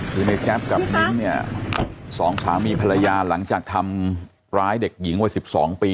คือในแจ๊บกับนิ้งเนี่ยสองสามีภรรยาหลังจากทำร้ายเด็กหญิงวัย๑๒ปี